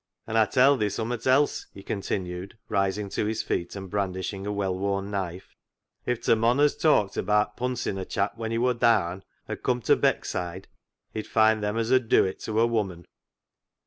" An' I tell thee summat else," he continued, rising to his feet and brandishing a well worn knife ;" if t' mon as talked abaat puncing a chap when he wor daan 'ad cum to Beckside he'd find them as 'ud do it to a woman."